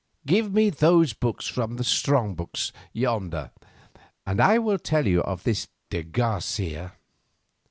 Give me those books from the strong box yonder, and I will tell you of this de Garcia."